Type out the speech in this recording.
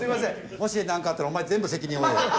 もしなんかあったらお前全部責任負えよ。